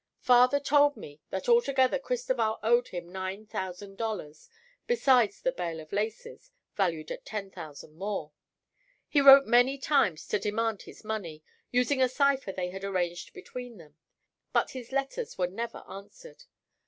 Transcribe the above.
Father told me that altogether Cristoval owed him nine thousand dollars, besides the bale of laces, valued at ten thousand more. He wrote many times to demand this money, using a cipher they had arranged between them, but his letters were never answered.